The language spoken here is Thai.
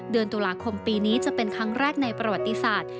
เดือนตุลาคมปีนี้จะเป็นครั้งแรกในประวัติศาสตร์